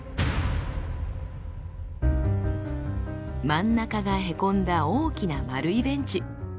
真ん中がへこんだ大きな丸いベンチ。